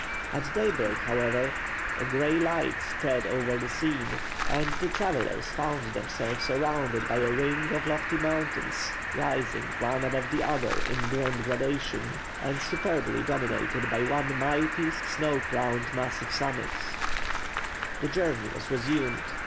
At daybreak, however, a grey light spread over the scene, and the travellers found themselves surrounded by a ring of lofty mountains, rising one above the other in grand gradation, and superbly dominated by one mighty, snow crowned, massive summit. The journey was resumed.